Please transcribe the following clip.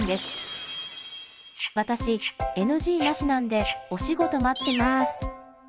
私ＮＧなしなんでお仕事待ってます。